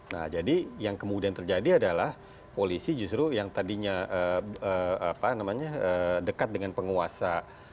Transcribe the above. nah jadi yang kemudian terjadi adalah polisi justru yang tadinya dekat dengan penguasa